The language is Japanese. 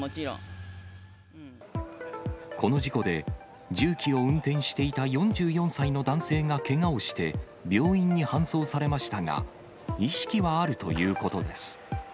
この事故で、重機を運転していた４４歳の男性がけがをして、病院に搬送されましたが、意識はあるということです。